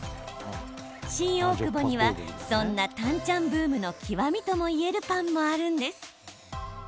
新大久保にはそんなタンチャンブームの極みともいえるパンもあるんです。